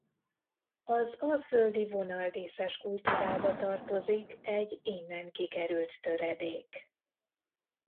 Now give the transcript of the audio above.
Az alföldi vonaldíszes kultúrába tartozik egy innen kikerült töredék.